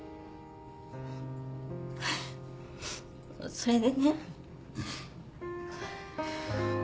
それでね。